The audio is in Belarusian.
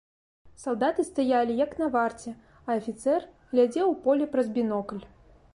Салдаты стаялі, як на варце, а афіцэр глядзеў у поле праз бінокль.